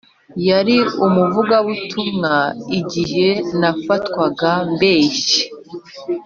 yari umuvugabutumwa igihe nafatwaga mbeshya.